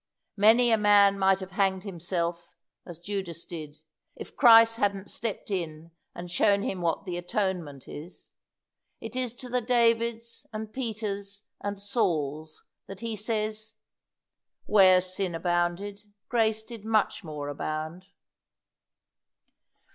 Many a man might have hanged himself, as Judas did, if Christ hadn't stepped in and shown him what the atonement is. It is to the Davids and Peters and Sauls that He says, 'Where sin abounded, grace did much more abound.'"